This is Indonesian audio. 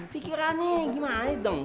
fikirannya gimana dong